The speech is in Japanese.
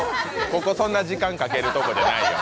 ここそんな時間かけるとこじゃない。